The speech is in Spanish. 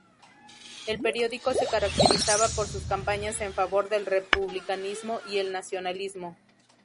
El periódico se caracterizaba por sus campañas en favor del republicanismo y el nacionalismo.